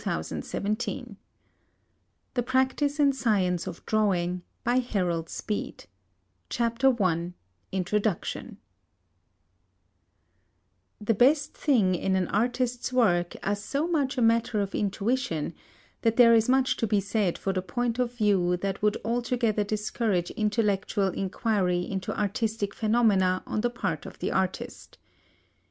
PROPORTION THE PRACTICE AND SCIENCE OF DRAWING I INTRODUCTION The best things in an artist's work are so much a matter of intuition, that there is much to be said for the point of view that would altogether discourage intellectual inquiry into artistic phenomena on the part of the artist.